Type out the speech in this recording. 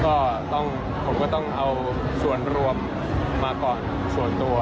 ก็ต้องผมก็ต้องเอาส่วนรวมมาก่อนส่วนตัว